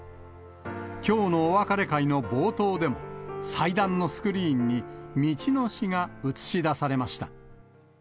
きょうのお別れ会の冒頭でも、祭壇のスクリーンに、道の詩が映し出されました。